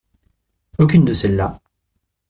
Aucune de celles-là.